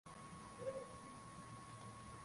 Usiniache gizani bwana